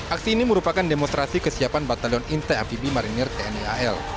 aksi ini merupakan demonstrasi kesiapan batalion intai amfibi marinir tni al